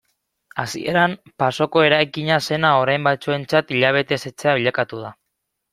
Hasieran pasoko eraikina zena orain batzuentzat hilabetez etxea bilakatu da.